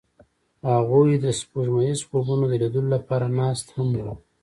هغوی د سپوږمیز خوبونو د لیدلو لپاره ناست هم وو.